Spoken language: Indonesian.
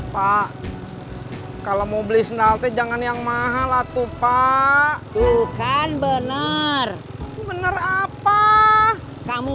pak kalau mau beli senal teh jangan yang mahal atuh pak bukan bener bener apa kamu